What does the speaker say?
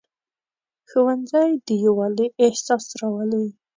ښوونځی د یووالي احساس راولي